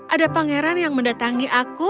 ada pangeran yang mendatangi aku